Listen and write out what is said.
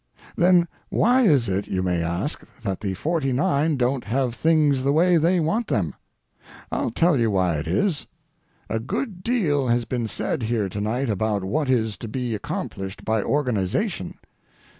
Then why is it, you may ask, that the forty nine don't have things the way they want them? I'll tell you why it is. A good deal has been said here to night about what is to be accomplished by organization.